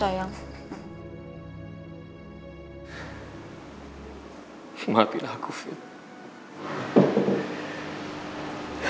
aku minta maaf karena aku sudah buat kamu dan orang lainnya